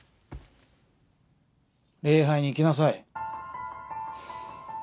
礼拝に行きなさい。